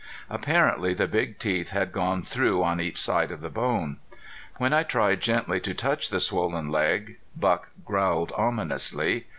Apparently the big teeth had gone through on each side of the bone. When I tried gently to touch the swollen leg Buck growled ominously.